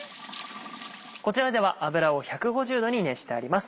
こちらでは油を１５０℃に熱してあります。